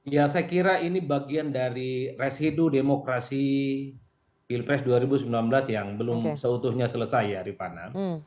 ya saya kira ini bagian dari residu demokrasi pilpres dua ribu sembilan belas yang belum seutuhnya selesai ya rifana